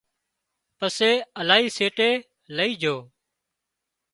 پسي الاهي سيٽي لئي جھو